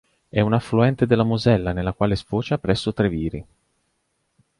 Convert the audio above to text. È un affluente della Mosella nella quale sfocia presso Treviri.